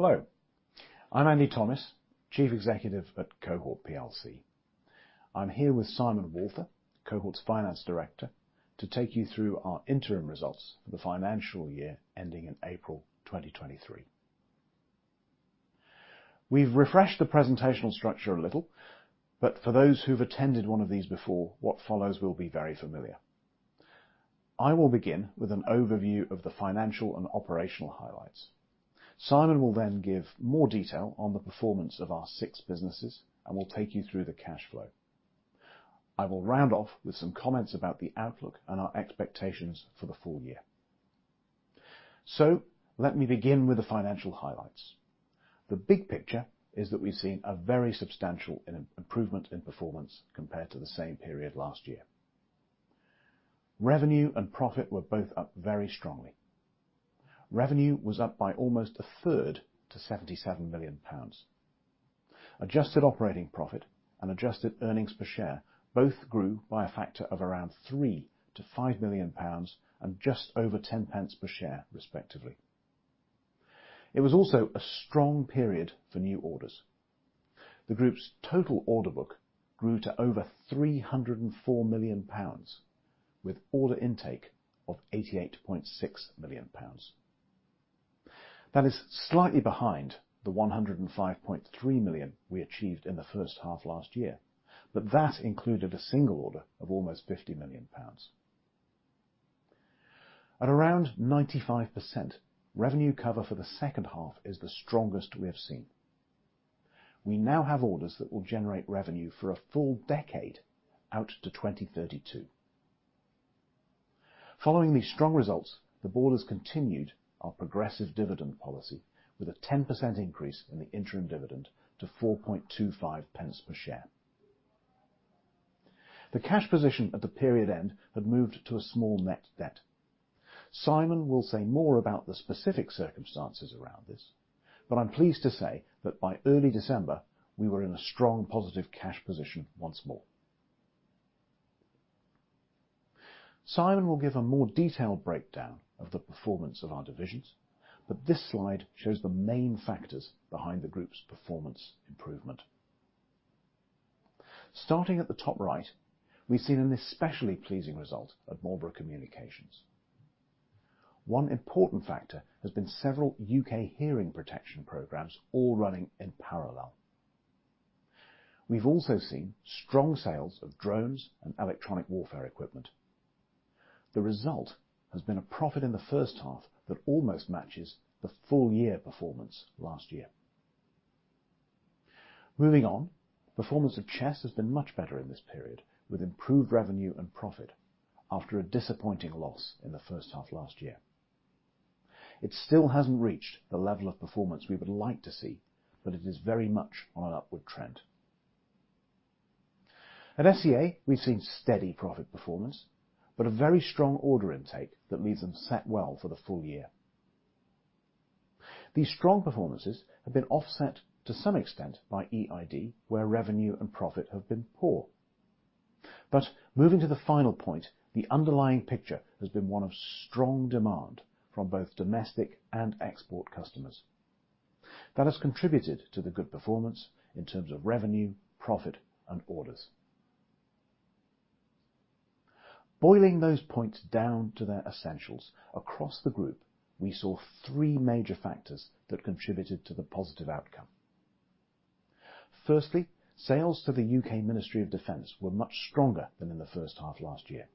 Hello, I'm Andy Thomis, Chief Executive at Cohort plc. I'm here with Simon Walther, Cohort's Finance Director, to take you through our interim results for the financial year ending in April 2023. We've refreshed the presentational structure a little. For those who've attended one of these before, what follows will be very familiar. I will begin with an overview of the financial and operational highlights. Simon will then give more detail on the performance of our six businesses. We'll take you through the cash flow. I will round off with some comments about the outlook and our expectations for the full year. Let me begin with the financial highlights. The big picture is that we've seen a very substantial improvement in performance compared to the same period last year. Revenue and profit were both up very strongly. Revenue was up by almost a third to 77 million pounds. Adjusted operating profit and adjusted earnings per share both grew by a factor of around three to 5 million pounds, and just over 0.10 per share, respectively. It was also a strong period for new orders. The group's total order book grew to over 304 million pounds with order intake of 88.6 million pounds. That is slightly behind the 105.3 million we achieved in the first half last year, but that included a single order of almost 50 million pounds. At around 95%, revenue cover for the second half is the strongest we have seen. We now have orders that will generate revenue for a full decade out to 2032. Following these strong results, the board has continued our progressive dividend policy with a 10% increase in the interim dividend to 0.0425 per share. The cash position at the period end had moved to a small net debt. Simon will say more about the specific circumstances around this, but I'm pleased to say that by early December, we were in a strong positive cash position once more. Simon will give a more detailed breakdown of the performance of our divisions, but this slide shows the main factors behind the group's performance improvement. Starting at the top right, we've seen an especially pleasing result at Marlborough Communications. One important factor has been several U.K. hearing protection programs all running in parallel. We've also seen strong sales of drones and electronic warfare equipment. The result has been a profit in the first half that almost matches the full year performance last year. Moving on, performance of Chess has been much better in this period, with improved revenue and profit after a disappointing loss in the first half last year. It still hasn't reached the level of performance we would like to see, but it is very much on an upward trend. At SEA, we've seen steady profit performance, but a very strong order intake that leaves them set well for the full year. These strong performances have been offset to some extent by EID, where revenue and profit have been poor. Moving to the final point, the underlying picture has been one of strong demand from both domestic and export customers. That has contributed to the good performance in terms of revenue, profit, and orders. Boiling those points down to their essentials, across the group, we saw three major factors that contributed to the positive outcome. Firstly, sales to the U.K. Ministry of Defence were much stronger than in the first half last year.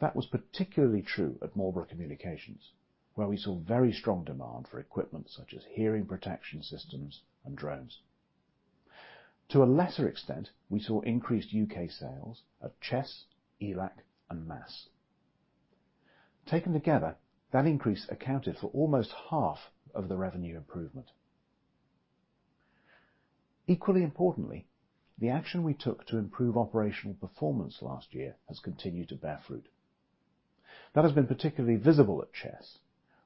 That was particularly true at Marlborough Communications, where we saw very strong demand for equipment such as hearing protection systems and drones. To a lesser extent, we saw increased U.K. sales of Chess, ELAC, and MASS. Taken together, that increase accounted for almost half of the revenue improvement. Equally importantly, the action we took to improve operational performance last year has continued to bear fruit. That has been particularly visible at Chess,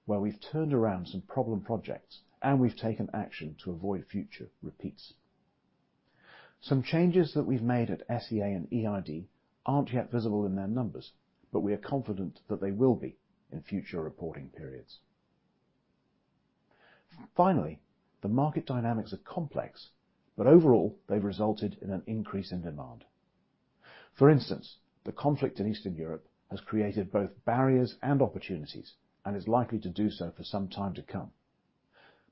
where we've turned around some problem projects, and we've taken action to avoid future repeats. Some changes that we've made at SEA and EID aren't yet visible in their numbers, but we are confident that they will be in future reporting periods. Finally, the market dynamics are complex, but overall, they've resulted in an increase in demand. For instance, the conflict in Eastern Europe has created both barriers and opportunities, and is likely to do so for some time to come.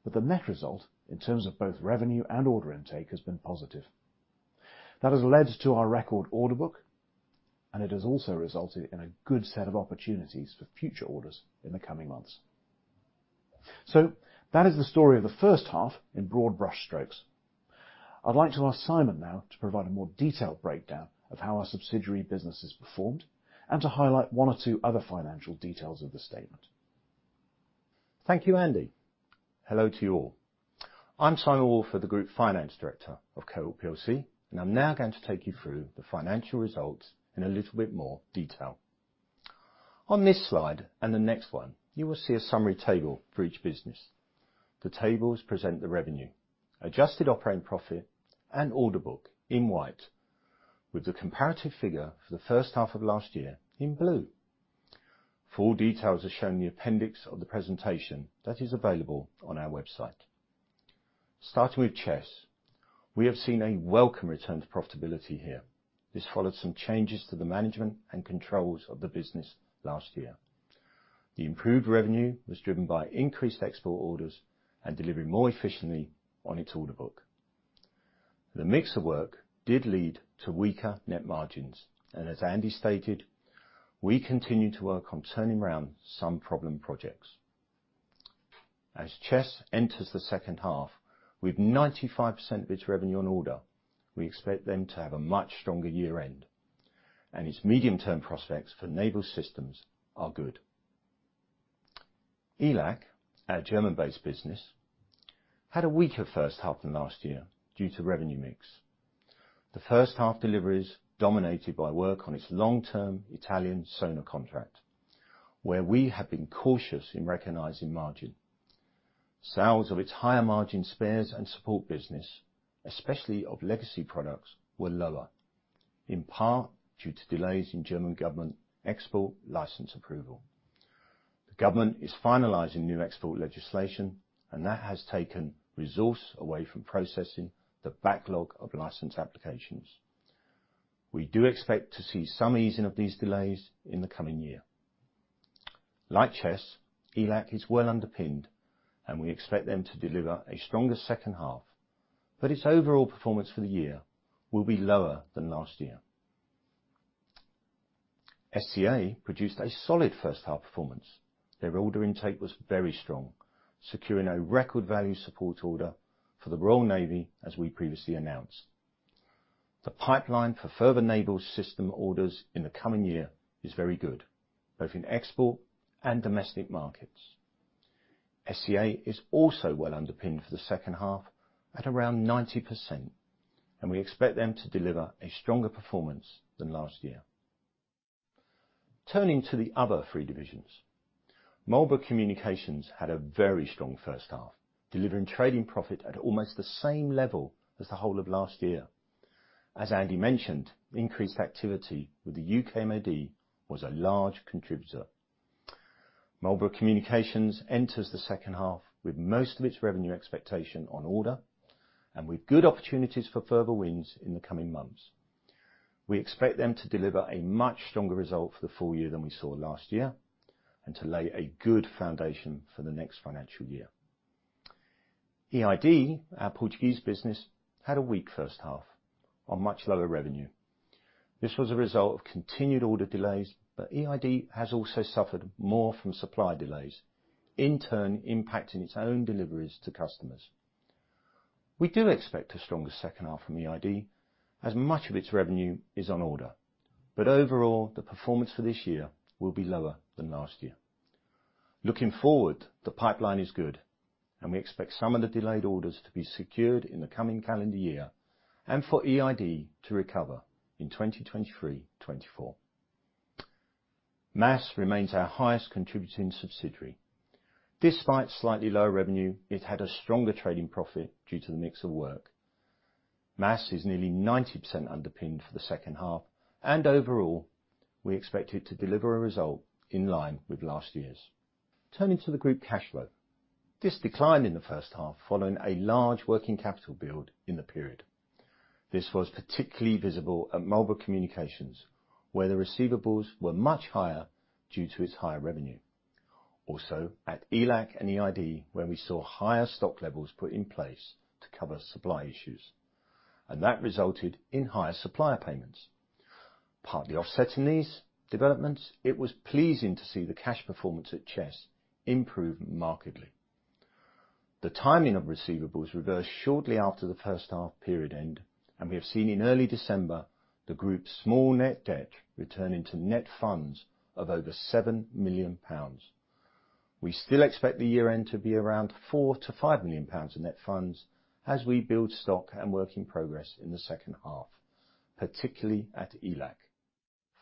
The net result, in terms of both revenue and order intake, has been positive. That has led to our record order book, and it has also resulted in a good set of opportunities for future orders in the coming months. That is the story of the first half in broad brush strokes. I'd like to ask Simon now to provide a more detailed breakdown of how our subsidiary business has performed and to highlight one or two other financial details of the statement. Thank you, Andy. Hello to you all. I'm Simon Walther, the Group Finance Director of Cohort plc. I'm now going to take you through the financial results in a little bit more detail. On this slide and the next one, you will see a summary table for each business. The tables present the revenue, adjusted operating profit, and order book in white, with the comparative figure for the first half of last year in blue. Full details are shown in the appendix of the presentation that is available on our website. Starting with Chess. We have seen a welcome return to profitability here. This followed some changes to the management and controls of the business last year. The improved revenue was driven by increased export orders and delivering more efficiently on its order book. The mix of work did lead to weaker net margins. As Andy stated, we continue to work on turning around some problem projects. As Chess enters the second half with 95% of its revenue on order, we expect them to have a much stronger year end. Its medium-term prospects for Naval systems are good. ELAC, our German-based business, had a weaker first half than last year due to revenue mix. The first half deliveries dominated by work on its long-term Italian sonar contract, where we have been cautious in recognizing margin. Sales of its higher margin spares and support business, especially of legacy products, were lower, in part due to delays in German government export license approval. The government is finalizing new export legislation. That has taken resource away from processing the backlog of license applications. We do expect to see some easing of these delays in the coming year. Like Chess, ELAC is well underpinned, and we expect them to deliver a stronger second half. Its overall performance for the year will be lower than last year. SEA produced a solid first-half performance. Their order intake was very strong, securing a record value support order for the Royal Navy, as we previously announced. The pipeline for further naval system orders in the coming year is very good, both in export and domestic markets. SEA is also well underpinned for the second half at around 90%, and we expect them to deliver a stronger performance than last year. Turning to the other three divisions. Marlborough Communications had a very strong first half, delivering trading profit at almost the same level as the whole of last year. As Andy mentioned, increased activity with the U.K. MoD was a large contributor. Marlborough Communications enters the second half with most of its revenue expectation on order and with good opportunities for further wins in the coming months. We expect them to deliver a much stronger result for the full year than we saw last year, and to lay a good foundation for the next financial year. EID, our Portuguese business, had a weak first half on much lower revenue. This was a result of continued order delays, but EID has also suffered more from supply delays, in turn impacting its own deliveries to customers. We do expect a stronger second half from EID, as much of its revenue is on order. Overall, the performance for this year will be lower than last year. Looking forward, the pipeline is good. We expect some of the delayed orders to be secured in the coming calendar year. For EID to recover in 2023, 2024. MASS remains our highest contributing subsidiary. Despite slightly lower revenue, it had a stronger trading profit due to the mix of work. MASS is nearly 90% underpinned for the second half. Overall, we expect it to deliver a result in line with last year's. Turning to the group cash flow. This declined in the first half following a large working capital build in the period. This was particularly visible at Marlborough Communications, where the receivables were much higher due to its higher revenue. Also, at ELAC and EID, where we saw higher stock levels put in place to cover supply issues. That resulted in higher supplier payments. Partly offsetting these developments, it was pleasing to see the cash performance at Chess improve markedly. The timing of receivables reversed shortly after the first half period end, and we have seen in early December the group's small net debt returning to net funds of over 7 million pounds. We still expect the year-end to be around 4 million-5 million pounds in net funds as we build stock and work in progress in the second half, particularly at ELAC.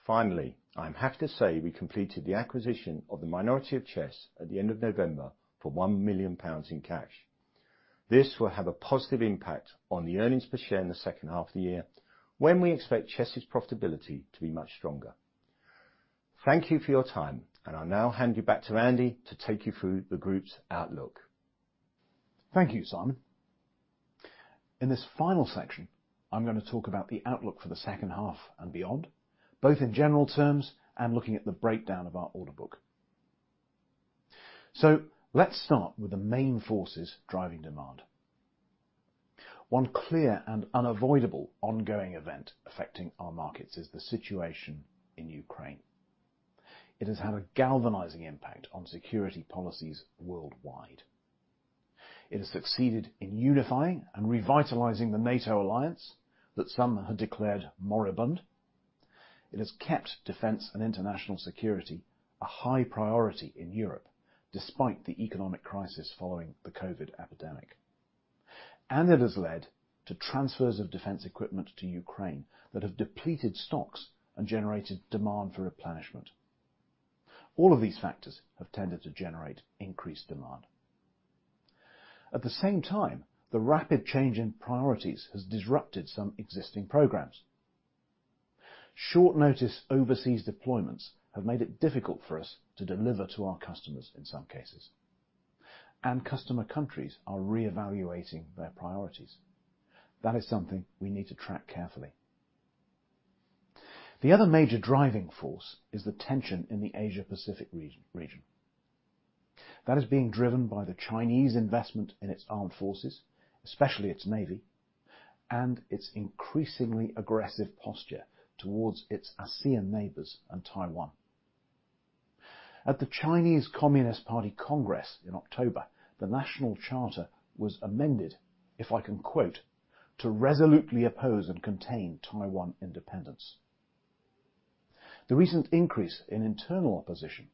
Finally, I'm happy to say we completed the acquisition of the minority of Chess at the end of November for 1 million pounds in cash. This will have a positive impact on the earnings per share in the second half of the year when we expect Chess's profitability to be much stronger. Thank you for your time, and I'll now hand you back to Andy to take you through the group's outlook. Thank you, Simon. In this final section, I'm gonna talk about the outlook for the second half and beyond, both in general terms and looking at the breakdown of our order book. Let's start with the main forces driving demand. One clear and unavoidable ongoing event affecting our markets is the situation in Ukraine. It has had a galvanizing impact on security policies worldwide. It has succeeded in unifying and revitalizing the NATO alliance that some had declared moribund. It has kept defense and international security a high priority in Europe despite the economic crisis following the COVID epidemic. It has led to transfers of defense equipment to Ukraine that have depleted stocks and generated demand for replenishment. All of these factors have tended to generate increased demand. At the same time, the rapid change in priorities has disrupted some existing programs. Short notice overseas deployments have made it difficult for us to deliver to our customers in some cases. Customer countries are reevaluating their priorities. That is something we need to track carefully. The other major driving force is the tension in the Asia-Pacific region. That is being driven by the Chinese investment in its armed forces, especially its navy, and its increasingly aggressive posture towards its ASEAN neighbors in Taiwan. At the Chinese Communist Party Congress in October, the National Charter was amended, if I can quote, "To resolutely oppose and contain Taiwan independence." The recent increase in internal opposition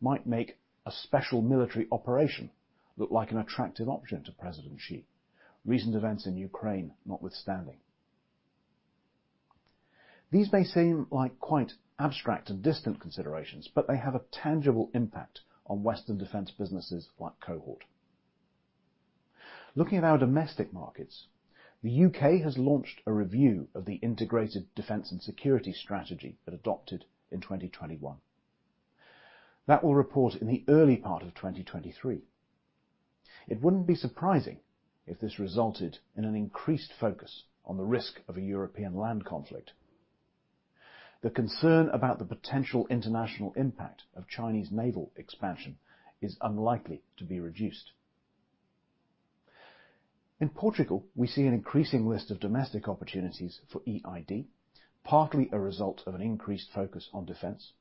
might make a special military operation look like an attractive option to President Xi, recent events in Ukraine notwithstanding. These may seem like quite abstract and distant considerations. They have a tangible impact on Western defense businesses like Cohort. Looking at our domestic markets, the U.K. has launched a review of the integrated defense and security strategy it adopted in 2021. That will report in the early part of 2023. It wouldn't be surprising if this resulted in an increased focus on the risk of a European land conflict. The concern about the potential international impact of Chinese naval expansion is unlikely to be reduced. In Portugal, we see an increasing list of domestic opportunities for EID, partly a result of an increased focus on defense.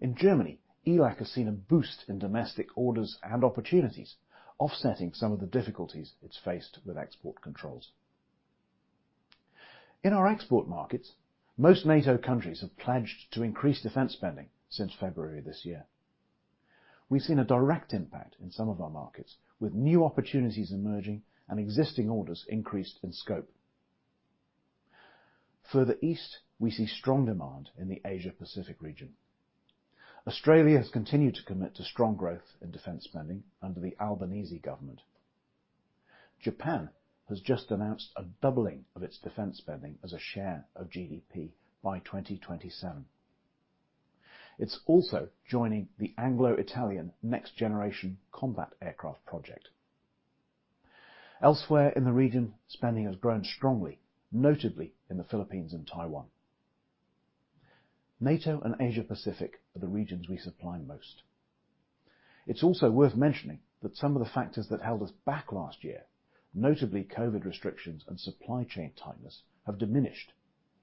In Germany, ELAC has seen a boost in domestic orders and opportunities, offsetting some of the difficulties it's faced with export controls. In our export markets, most NATO countries have pledged to increase defense spending since February this year. We've seen a direct impact in some of our markets, with new opportunities emerging and existing orders increased in scope. Further east, we see strong demand in the Asia-Pacific region. Australia has continued to commit to strong growth in defense spending under the Albanese government. Japan has just announced a doubling of its defense spending as a share of GDP by 2027. It's also joining the Anglo-Italian next generation combat aircraft project. Elsewhere in the region, spending has grown strongly, notably in the Philippines and Taiwan. NATO and Asia-Pacific are the regions we supply most. It's also worth mentioning that some of the factors that held us back last year, notably COVID restrictions and supply chain tightness, have diminished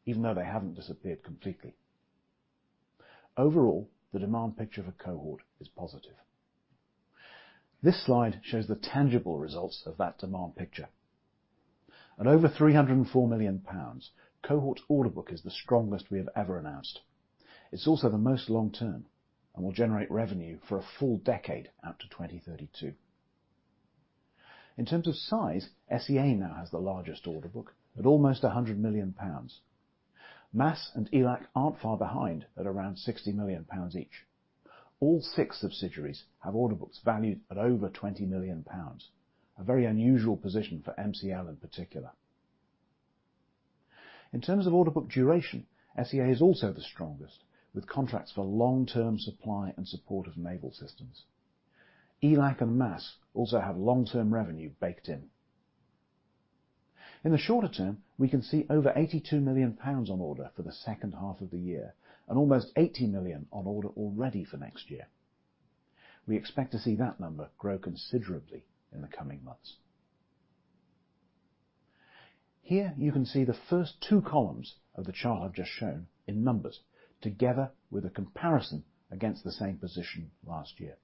even though they haven't disappeared completely. Overall, the demand picture of Cohort is positive. This slide shows the tangible results of that demand picture. At over 304 million pounds, Cohort's order book is the strongest we have ever announced. It's also the most long-term and will generate revenue for a full decade out to 2032. In terms of size, SEA now has the largest order book at almost 100 million pounds. MASS and ELAC aren't far behind at around 60 million pounds each. All six subsidiaries have order books valued at over 20 million pounds. A very unusual position for MCL in particular. In terms of order book duration, SEA is also the strongest with contracts for long-term supply and support of naval systems. ELAC and MASS also have long-term revenue baked in. In the shorter term, we can see over 82 million pounds on order for the second half of the year and almost 80 million on order already for next year. We expect to see that number grow considerably in the coming months. Here you can see the first two columns of the chart I've just shown in numbers, together with a comparison against the same position last year.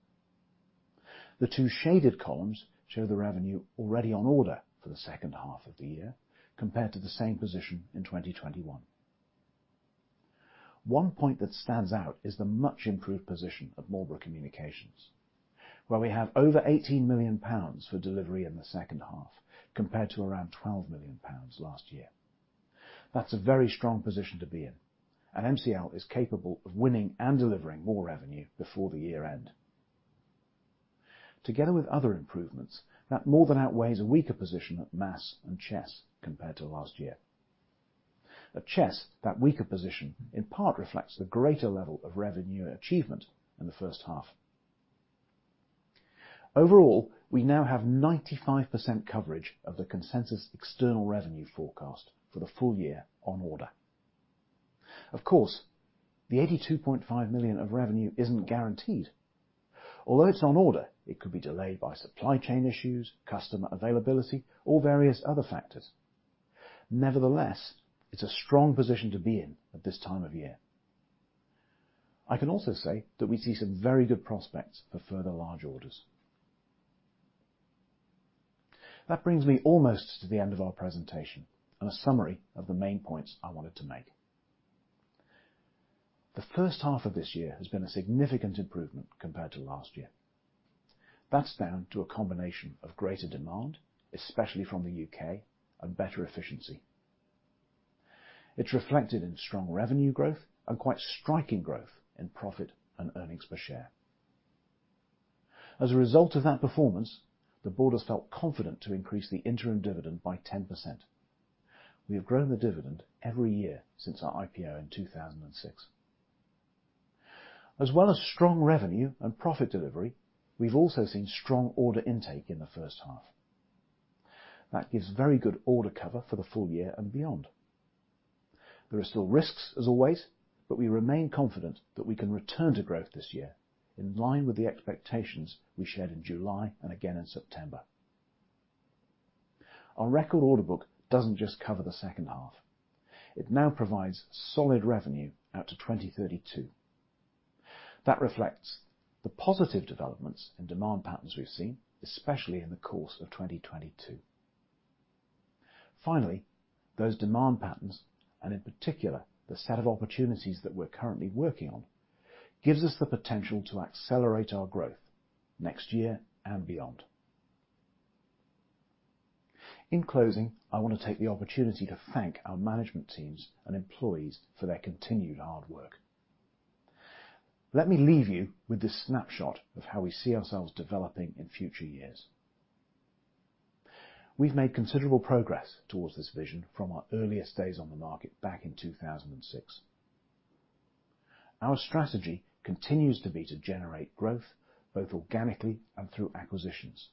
The two shaded columns show the revenue already on order for the second half of the year compared to the same position in 2021. One point that stands out is the much improved position of Marlborough Communications, where we have over 18 million pounds for delivery in the second half compared to around 12 million pounds last year. That's a very strong position to be in, and MCL is capable of winning and delivering more revenue before the year end. Together with other improvements, that more than outweighs a weaker position at MASS and Chess compared to last year. At Chess, that weaker position in part reflects the greater level of revenue achievement in the first half. Overall, we now have 95% coverage of the consensus external revenue forecast for the full year on order. Of course, the 82.5 million of revenue isn't guaranteed. Although it's on order, it could be delayed by supply chain issues, customer availability or various other factors. Nevertheless, it's a strong position to be in at this time of year. I can also say that we see some very good prospects for further large orders. That brings me almost to the end of our presentation and a summary of the main points I wanted to make. The first half of this year has been a significant improvement compared to last year. That's down to a combination of greater demand, especially from the U.K., and better efficiency. It's reflected in strong revenue growth and quite striking growth in profit and earnings per share. As a result of that performance, the board has felt confident to increase the interim dividend by 10%. We have grown the dividend every year since our IPO in 2006. As well as strong revenue and profit delivery, we've also seen strong order intake in the first half. That gives very good order cover for the full year and beyond. There are still risks, as always. We remain confident that we can return to growth this year in line with the expectations we shared in July and again in September. Our record order book doesn't just cover the second half. It now provides solid revenue out to 2032. That reflects the positive developments in demand patterns we've seen, especially in the course of 2022. Those demand patterns, and in particular, the set of opportunities that we're currently working on, gives us the potential to accelerate our growth next year and beyond. In closing, I want to take the opportunity to thank our management teams and employees for their continued hard work. Let me leave you with this snapshot of how we see ourselves developing in future years. We've made considerable progress towards this vision from our earliest days on the market back in 2006. Our strategy continues to be to generate growth, both organically and through acquisitions,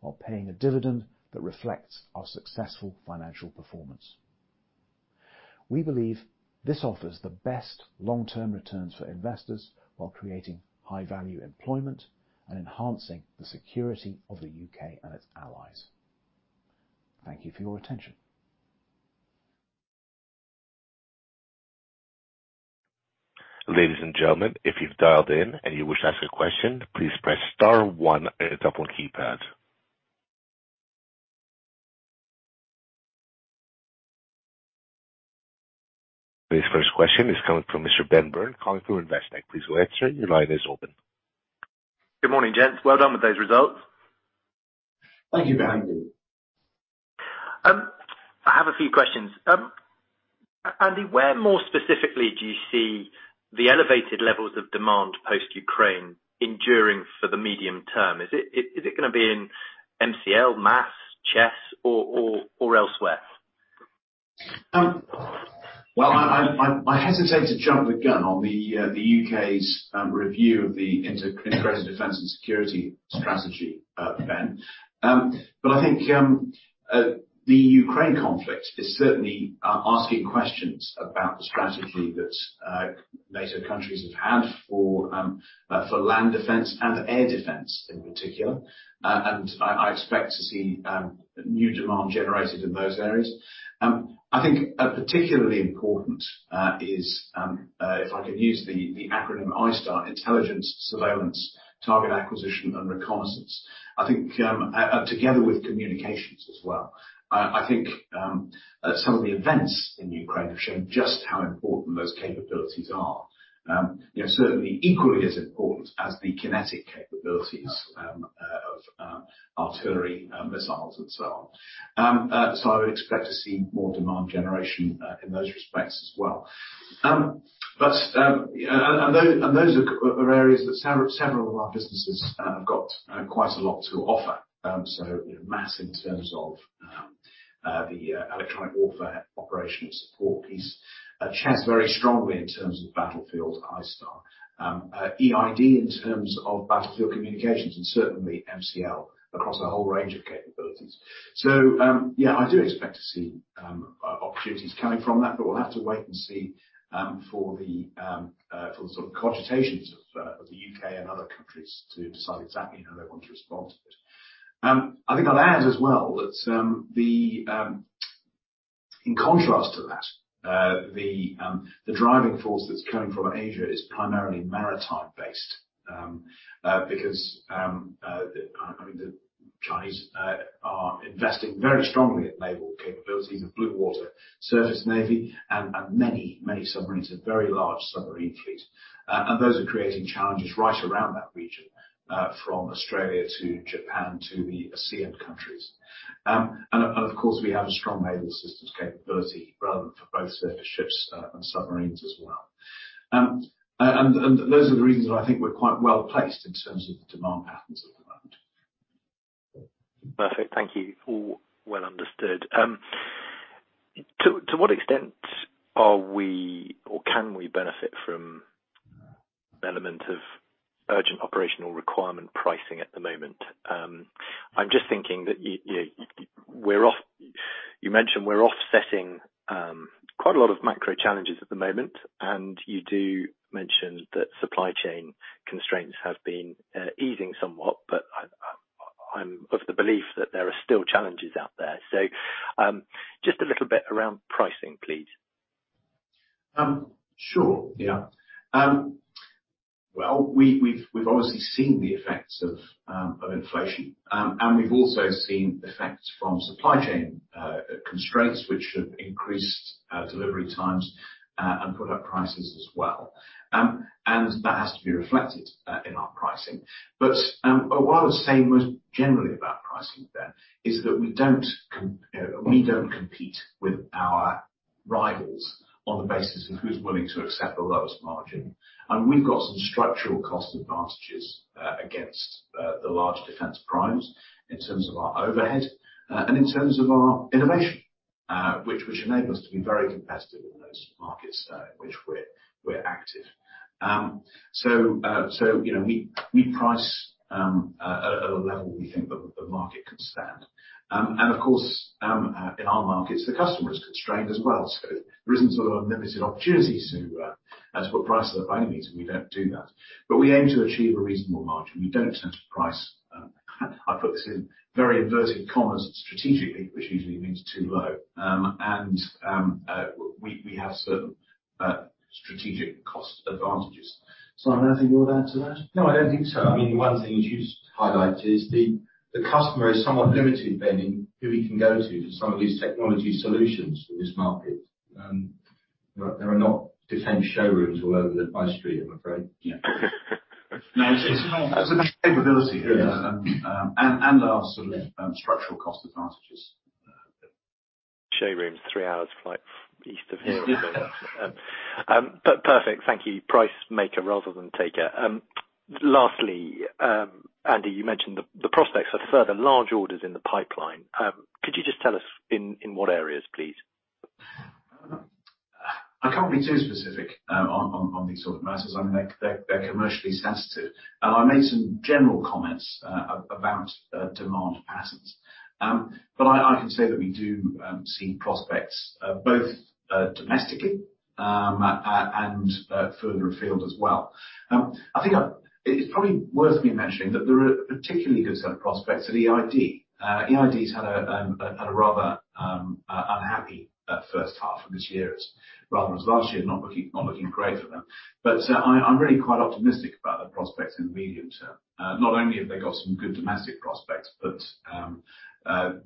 while paying a dividend that reflects our successful financial performance. We believe this offers the best long-term returns for investors while creating high-value employment and enhancing the security of the U.K. and its allies. Thank you for your attention. Ladies and gentlemen, if you've dialed in and you wish to ask a question, please press star one on your double keypads. Today's first question is coming from Mr. Ben Bourne, calling from Investec. Please go ahead, sir. Your line is open. Good morning, gents. Well done with those results. Thank you, Ben. I have a few questions. Andy, where more specifically do you see the elevated levels of demand post Ukraine enduring for the medium term? Is it gonna be in MCL, MASS, Chess or elsewhere? I'd hesitate to jump the gun on the U.K.'s review of the Integrated Defense and Security Strategy, Ben. I think the Ukraine conflict is certainly asking questions about the strategy that NATO countries have had for land defense and air defense in particular. I expect to see new demand generated in those areas. I think a particularly important is, if I can use the acronym ISTAR, Intelligence, Surveillance, Target Acquisition and Reconnaissance. I think together with communications as well. I think some of the events in Ukraine have shown just how important those capabilities are. You know, certainly equally as important as the kinetic capabilities of artillery, missiles and so on. I would expect to see more demand generation in those respects as well. Those are areas that several of our businesses have got quite a lot to offer. MASS in terms of the electronic warfare operational support piece. Chess very strongly in terms of battlefield ISTAR, EID in terms of battlefield communications, and certainly MCL across a whole range of capabilities. I do expect to see opportunities coming from that, but we'll have to wait and see for the sort of cogitations of the U.K. and other countries to decide exactly how they want to respond to it. I think I'll add as well that the in contrast to that the driving force that's coming from Asia is primarily maritime-based, because I mean, the Chinese are investing very strongly at naval capabilities of blue water, surface navy, and many submarines, a very large submarine fleet. Those are creating challenges right around that region, from Australia to Japan to the ASEAN countries. Of course, we have a strong naval systems capability relevant for both surface ships, and submarines as well. Those are the reasons that I think we're quite well-placed in terms of the demand patterns at the moment. Perfect. Thank you. All well understood. To what extent are we or can we benefit from element of urgent operational requirement pricing at the moment? I'm just thinking that you mentioned we're offsetting quite a lot of macro challenges at the moment, and you do mention that supply chain constraints have been easing somewhat, but I'm of the belief that there are still challenges out there. Just a little bit around pricing, please. We've obviously seen the effects of inflation and we've also seen effects from supply chain constraints which have increased delivery times and product prices as well. That has to be reflected in our pricing. What I would say more generally about pricing, Ben, is that we don't compete with our rivals on the basis of who's willing to accept the lowest margin. We've got some structural cost advantages against the large defense primes in terms of our overhead and in terms of our innovation which enable us to be very competitive in those markets in which we're active. You know, we price a level we think the market can stand. Of course, in our markets, the customer is constrained as well, so there isn't sort of unlimited opportunities to as what price they're buying is, we don't do that. We aim to achieve a reasonable margin. We don't tend to price, I put this in very inverted commas, strategically, which usually means too low. We have certain strategic cost advantages. Simon, anything more to add to that? No, I don't think so. I mean, one thing is you highlight is the customer is somewhat limited then in who he can go to to some of these technology solutions in this market. There are not defense showrooms all over the high street, I'm afraid. Yeah. No, it's not. That's a big capability. Our sort of structural cost advantages. Showrooms, three hours flight east of here. Perfect. Thank you. Price maker rather than taker. Lastly, Andy, you mentioned the prospects of further large orders in the pipeline. Could you just tell us in what areas, please? I can't be too specific on these sort of matters. I mean, they're commercially sensitive. I made some general comments about demand patterns. I can say that we do see prospects both domestically and further afield as well. I think it's probably worth me mentioning that there are particularly good set of prospects at EID. EID's had a rather unhappy first half of this year rather as last year, not looking great for them. I'm really quite optimistic about their prospects in the medium term. Not only have they got some good domestic prospects, but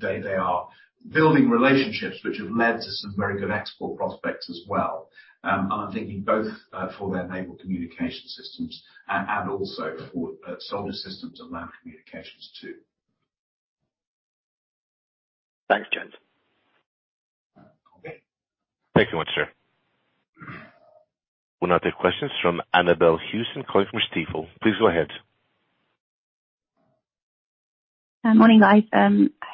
they are building relationships which have led to some very good export prospects as well. I'm thinking both for their naval communication systems and also for soldier systems and land communications too. Thanks, gents. Okay. Thank you much, sir. We'll now take questions from [Annabel Houston] calling from Stifel. Please go ahead. Morning, guys.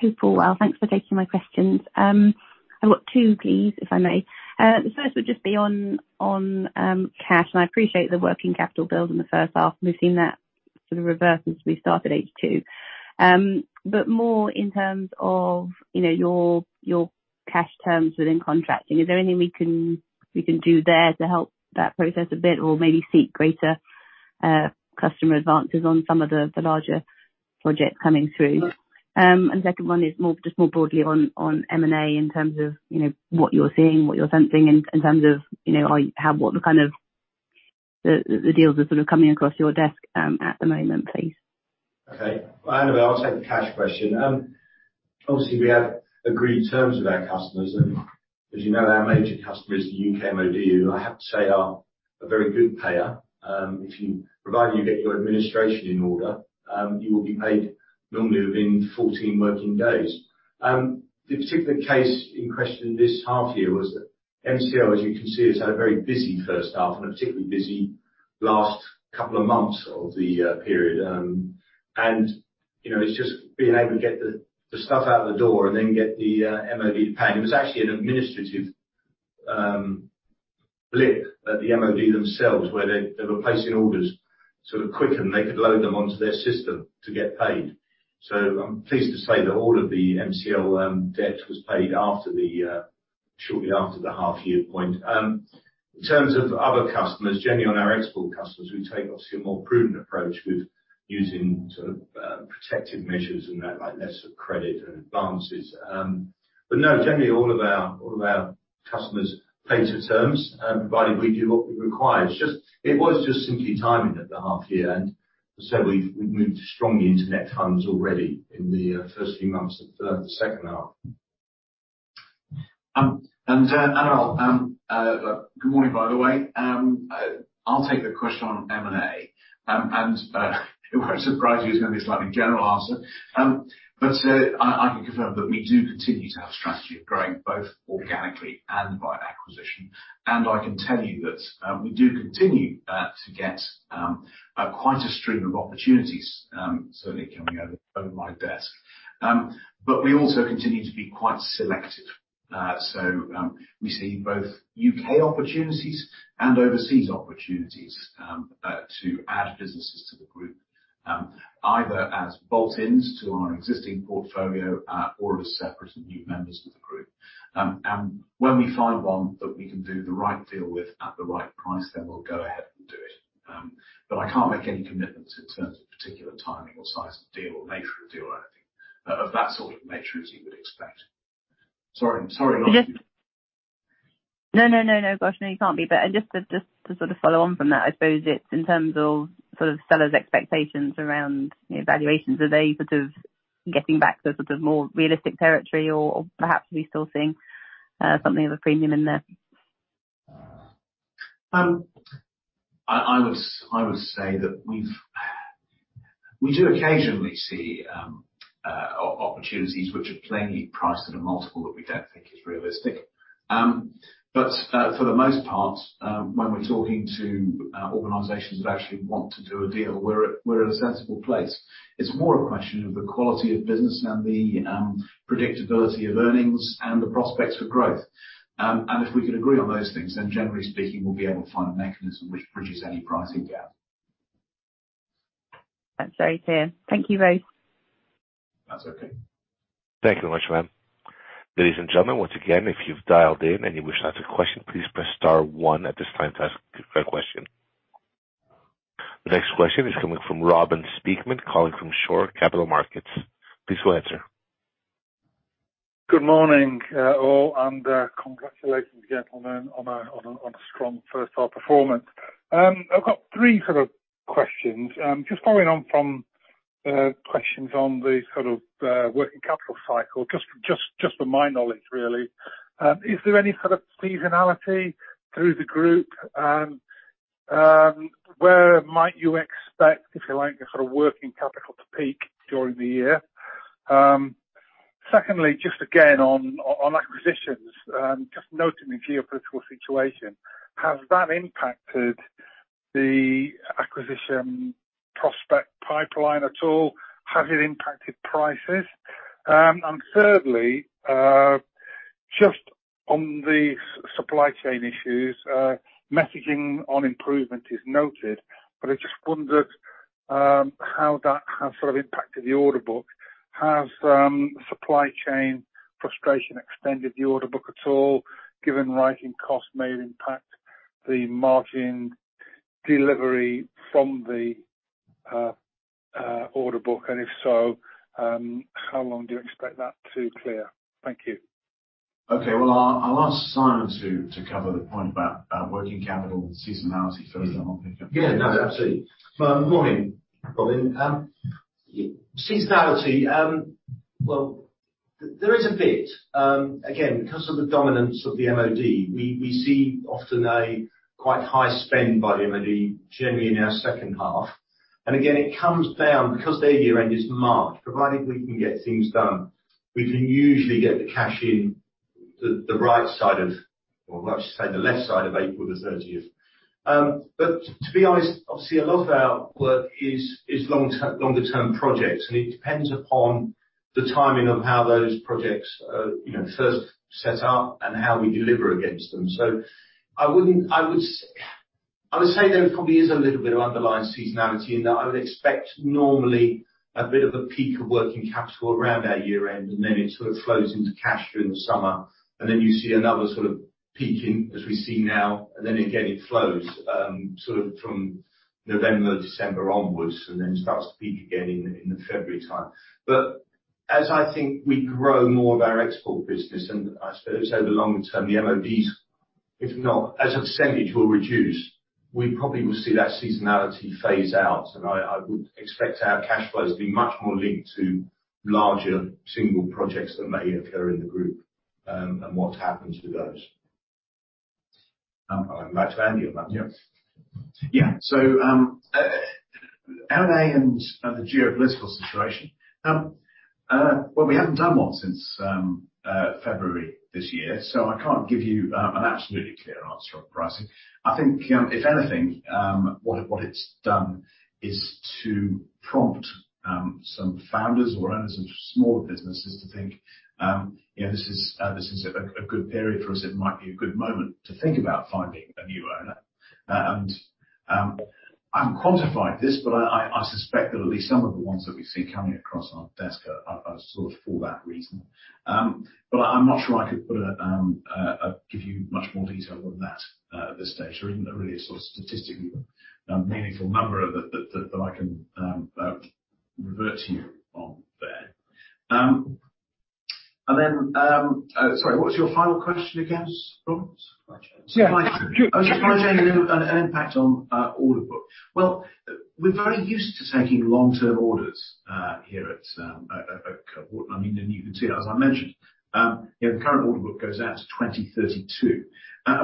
Hope all well. Thanks for taking my questions. I've got two, please, if I may. The first would just be on cash, and I appreciate the working capital build in the first half. We've seen that sort of reverse since we started H2. More in terms of, you know, your cash terms within contracting. Is there anything we can do there to help that process a bit or maybe seek greater customer advances on some of the larger projects coming through? Second one is more, just more broadly on M&A in terms of, you know, what you're seeing, what you're sensing in terms of, you know, how, what the kind of the deals are sort of coming across your desk at the moment, please. Okay. Annabel, I'll take the cash question. Obviously, we have agreed terms with our customers, as you know, our major customer is the U.K. MoD, who I have to say are a very good payer. Provided you get your administration in order, you will be paid normally within 14 working days. The particular case in question this half year was that MCL, as you can see, has had a very busy first half and a particularly busy last couple of months of the period. You know, it's just being able to get the stuff out the door and then get the MoD paid. It was actually an administrative blip at the MoD themselves, where they were placing orders sort of quicker than they could load them onto their system to get paid. I'm pleased to say that all of the MCL debt was paid after the shortly after the half year point. In terms of other customers, generally on our export customers, we take obviously a more prudent approach with using sort of protective measures and that, like letters of credit and advances. No, generally all of our customers pay to terms provided we do what we require. It was just simply timing at the half year. As I said, we've moved strongly into net funds already in the first few months of the second half. Annabel, good morning, by the way. I'll take the question on M&A. It won't surprise you, it's gonna be a slightly general answer. I can confirm that we do continue to have a strategy of growing both organically and by acquisition. I can tell you that we do continue to get quite a stream of opportunities, certainly coming over my desk. We also continue to be quite selective. We see both U.K. opportunities and overseas opportunities to add businesses to the group, either as bolt-ins to our existing portfolio, or as separate and new members to the group. When we find one that we can do the right deal with at the right price, then we'll go ahead and do it. I can't make any commitments in terms of particular timing or size of deal or nature of deal or anything of that sort of nature, as you would expect. Sorry. I'm sorry, Annabel. No, no, no. Gosh, no, you can't be. Just to sort of follow on from that, I suppose it's in terms of sort of sellers expectations around evaluations. Are they sort of getting back to sort of more realistic territory or perhaps are we still seeing something of a premium in there? I would say that We do occasionally see opportunities which are plainly priced at a multiple that we don't think is realistic. For the most part, when we're talking to organizations that actually want to do a deal, we're at a sensible place. It's more a question of the quality of business and the predictability of earnings and the prospects for growth. If we can agree on those things, then generally speaking, we'll be able to find a mechanism which bridges any pricing gap. That's very clear. Thank you, both. That's okay. Thank you very much, ma'am. Ladies and gentlemen, once again, if you've dialed in and you wish to ask a question, please press star one at this time to ask a question. The next question is coming from Robin Speakman, calling from Shore Capital Markets. Please go ahead, sir. Good morning, all, and congratulations again, gentlemen, on a strong first half performance. I've got three sort of questions. Just following on from questions on the sort of working capital cycle. Just for my knowledge, really. Is there any sort of seasonality through the group? Where might you expect, if you like, the sort of working capital to peak during the year? Secondly, just again on acquisitions, just noting the geopolitical situation, has that impacted the acquisition prospect pipeline at all? Has it impacted prices? Thirdly, just on the supply chain issues, messaging on improvement is noted, but I just wondered how that has sort of impacted the order book. Has supply chain frustration extended the order book at all, given rising costs may impact the margin delivery from the order book? If so, how long do you expect that to clear? Thank you. Okay. Well, I'll ask Simon to cover the point about working capital and seasonality first, and then I'll pick up. Yeah. No, absolutely. Good morning, Robin. Seasonality, well, there is a bit, again, because of the dominance of the MoD, we see often a quite high spend by the MoD generally in our second half. Again, it comes down because their year end is March, provided we can get things done, we can usually get the cash in the right side of, or I should say the left side of April the thirtieth. To be honest, obviously, a lot of our work is longer term projects, and it depends upon the timing of how those projects, you know, first set up and how we deliver against them. I wouldn't... I would say there probably is a little bit of underlying seasonality in that I would expect normally a bit of a peak of working capital around our year end. Then it sort of flows into cash during the summer. Then you see another sort of peaking as we see now. Then again, it flows sort of from November, December onwards and then starts to peak again in the February time. As I think we grow more of our export business, and I suppose over the longer term, the MoD's, if not, as a percentage, will reduce, we probably will see that seasonality phase out. I would expect our cash flows to be much more linked to larger single projects that may occur in the group, and what happens with those. I'll hand back to Andy on that. Yeah. Yeah. M&A and the geopolitical situation. We haven't done one since February this year, so I can't give you an absolutely clear answer on pricing. I think, if anything, what it's done is to prompt some founders or owners of smaller businesses to think, you know, this is a good period for us. It might be a good moment to think about finding a new owner. I haven't quantified this, but I suspect that at least some of the ones that we see coming across our desk are sort of for that reason. I'm not sure I could put a give you much more detail than that at this stage or even a really sort of statistically meaningful number that I can revert to you on there. Sorry, what was your final question again, Robin? Supply chain. Supply chain. Yeah. Supply chain and impact on order book. Well, we're very used to taking long-term orders here at Cohort. I mean, you can see that, as I mentioned, you know, the current order book goes out to 2032.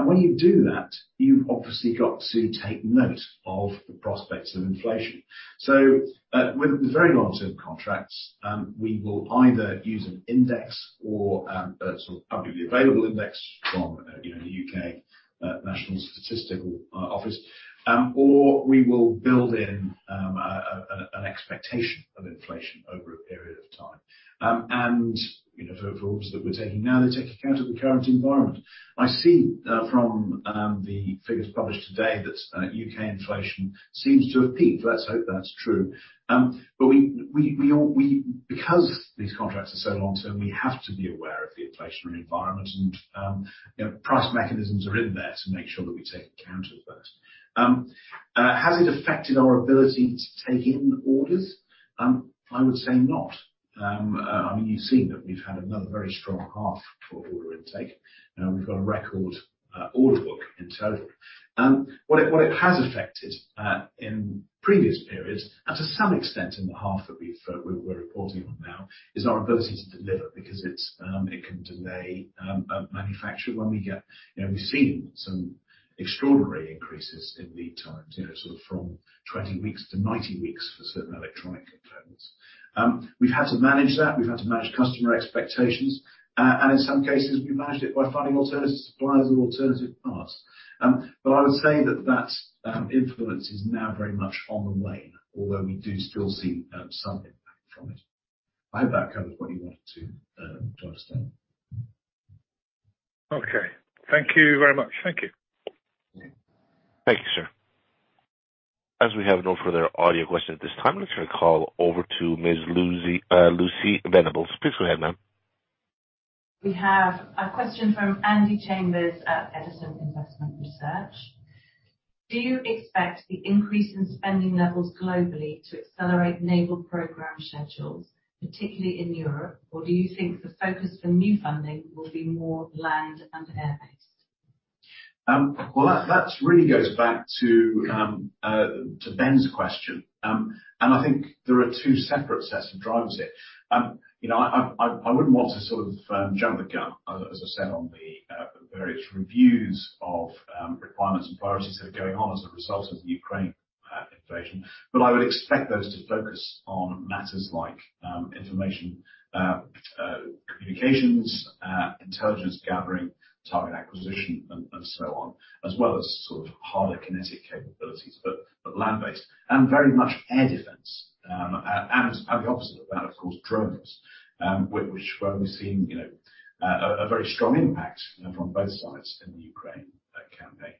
When you do that, you've obviously got to take note of the prospects of inflation. With the very long-term contracts, we will either use an index or a sort of publicly available index from, you know, the U.K. Office for National Statistics, or we will build in an expectation of inflation over a period of time. You know, for orders that we're taking now, they're taking account of the current environment. I see from the figures published today that U.K. inflation seems to have peaked. Let's hope that's true. We, because these contracts are so long term, we have to be aware of the inflationary environment and, you know, price mechanisms are in there to make sure that we take account of that. Has it affected our ability to take in orders? I would say not. I mean, you've seen that we've had another very strong half for order intake. We've got a record order book in total. Um, what it, what it has affected, uh, in previous periods, and to some extent in the half that we're reporting on now, is our ability to deliver because it can delay, um, um, manufacture when we get… You know, we've seen some extraordinary increases in lead times, you know, sort of from twenty weeks to ninety weeks for certain electronic components. Um, we've had to manage that. We've had to manage customer expectations. Uh, and in some cases, we've managed it by finding alternative suppliers of alternative parts. But I would say that that influence is now very much on the wane, although we do still see, um, some impact from it. I hope that covers what you wanted to, um, to understand. Okay. Thank you very much. Thank you. Thank you, sir. As we have no further audio questions at this time, let's now call over to Ms. Lucy Venables. Please go ahead, ma'am. We have a question from Andy Chambers at Edison Investment Research. Do you expect the increase in spending levels globally to accelerate naval program schedules, particularly in Europe? Do you think the focus for new funding will be more land and air-based? Well, that really goes back to Ben's question. And I think there are two separate sets of drivers here. You know, I, I wouldn't want to sort of jump the gun, as I said, on the various reviews of requirements and priorities that are going on as a result of the Ukraine invasion, but I would expect those to focus on matters like information, communications, intelligence gathering, target acquisition and so on, as well as sort of harder kinetic capabilities, but land-based, and very much air defense. And the opposite of that, of course, drones, which we're only seeing, you know, a very strong impact from both sides in the Ukraine campaign.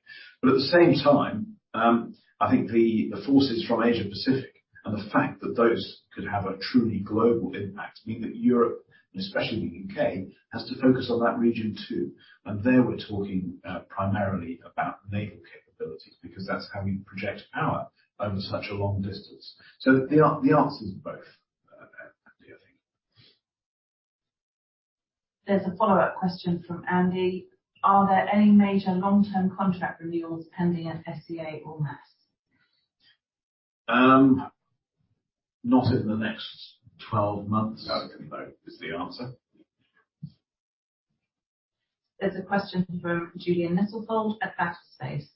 At the same time, I think the forces from Asia-Pacific and the fact that those could have a truly global impact mean that Europe, and especially the U.K., has to focus on that region, too. There we're talking primarily about naval capabilities because that's how you project power over such a long distance. The answer is both, Andy, I think. There's a follow-up question from Andy. Are there any major long-term contract renewals pending at SEA or MASS? Not in the next 12 months, I would convey is the answer. There's a question from Julian Nettlefold at BATTLESPACE.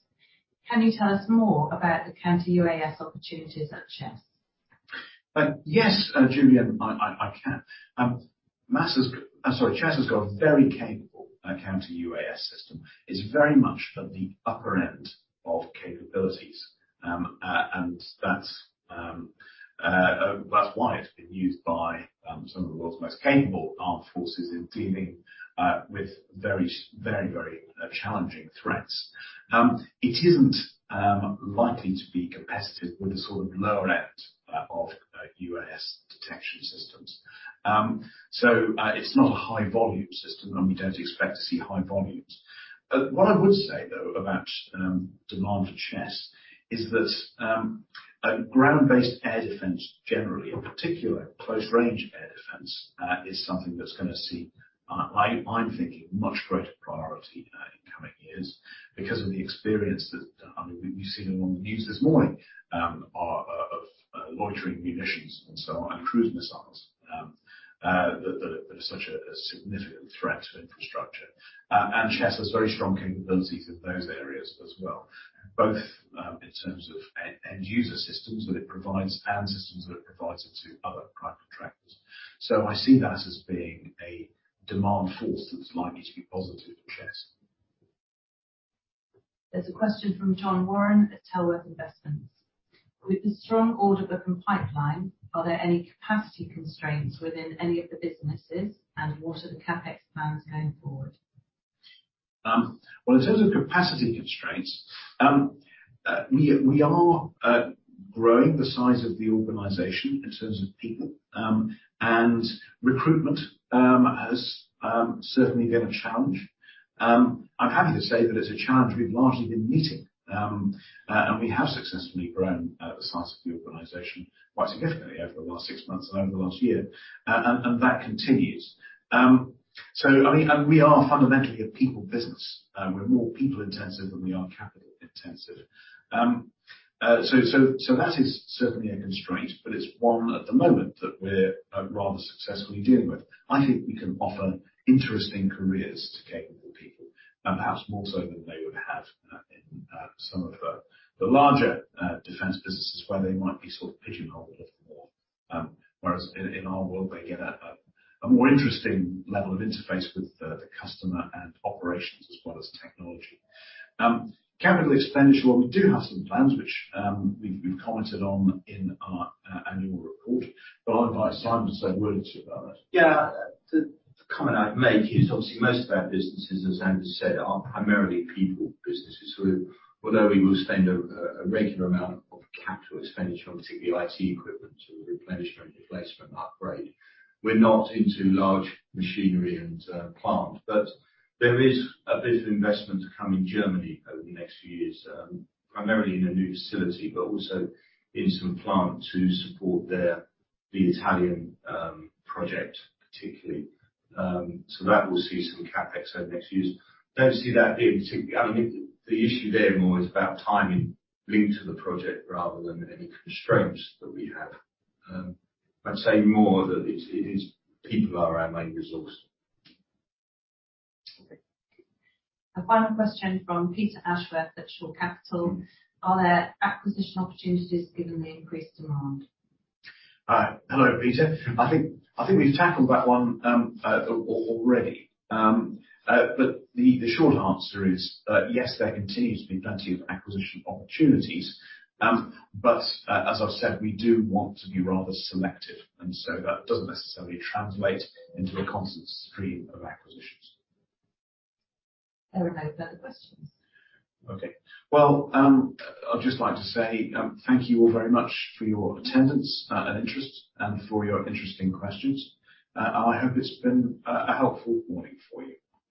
Can you tell us more about the Counter-UAS opportunities at Chess? Yes, Julian, I can. Sorry. Chess has got a very capable Counter-UAS system. It's very much at the upper end of capabilities. That's why it's been used by some of the world's most capable armed forces in dealing with very challenging threats. It isn't likely to be competitive with the sort of lower end of UAS detection systems. It's not a high volume system, and we don't expect to see high volumes. What I would say, though, about demand for Chess is that ground-based air defense generally, in particular close range air defense, is something that's gonna see, I'm thinking much greater priority in coming years because of the experience that, I mean, we've seen it on the news this morning, of loitering munitions and so on, and cruise missiles, that are such a significant threat to infrastructure. Chess has very strong capabilities in those areas as well, both in terms of end user systems that it provides and systems that it provides into other prime contractors. I see that as being a demand force that's likely to be positive for Chess. There's a question from John Warren at Tellworth Investments. With the strong order book and pipeline, are there any capacity constraints within any of the businesses, and what are the CapEx plans going forward? Well, in terms of capacity constraints, we are growing the size of the organization in terms of people, and recruitment has certainly been a challenge. I'm happy to say that it's a challenge we've largely been meeting, and we have successfully grown the size of the organization quite significantly over the last 6 months and over the last year. That continues. I mean, we are fundamentally a people business. We're more people-intensive than we are capital-intensive. That is certainly a constraint, but it's one at the moment that we're rather successfully dealing with. I think we can offer interesting careers to capable people and perhaps more so than they would have, in some of the larger, defense businesses where they might be sort of pigeonholed a little more. Whereas in our world, they get a more interesting level of interface with the customer and operations as well as technology. Capital expenditure, we do have some plans which, we've commented on in our annual report. I'll invite Simon to say a word or two about that. The comment I'd make is obviously most of our businesses, as Andrew said, are primarily people businesses. Although we will spend a regular amount of capital expenditure on particularly IT equipment, so replenishment, replacement, upgrade, we're not into large machinery and plant. There is a bit of investment to come in Germany over the next few years, primarily in a new facility, but also in some plant to support their, the Italian project particularly. That will see some CapEx over the next few years. Don't see that being particularly. The issue there more is about timing linked to the project rather than any constraints that we have. I'd say more that it is people are our main resource. Okay. A final question from Peter Ashworth at Shore Capital. Are there acquisition opportunities given the increased demand? Hello, Peter. I think we've tackled that one, already. The short answer is, yes, there continues to be plenty of acquisition opportunities. As I've said, we do want to be rather selective, that doesn't necessarily translate into a constant stream of acquisitions. There are no further questions. Okay. Well, I'd just like to say, thank you all very much for your attendance, and interest, and for your interesting questions. I hope it's been a helpful morning for you.